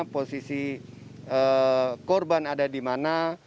posisi korban ada di mana